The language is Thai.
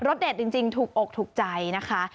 สเด็ดจริงถูกอกถูกใจนะคะ